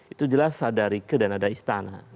itu jelas sadarike dan ada istana